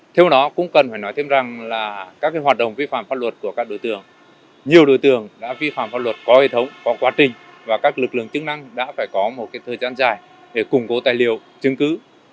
theo đó cũng cần phải nói thêm rằng là các hoạt động vi phạm pháp luật của các đối tượng nhiều đối tượng đã vi phạm pháp luật có hệ thống có quá trình và các lực lượng chức năng đã phải có một thời gian dài để củng cố tài liệu chứng cứ